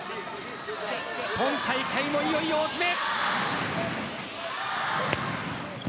今大会も、いよいよ大詰め。